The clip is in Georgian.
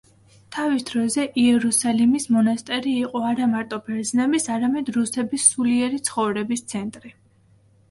თავის დროზე იერუსალიმის მონასტერი იყო არამარტო ბერძნების, არამედ რუსების სულიერი ცხოვრების ცენტრი.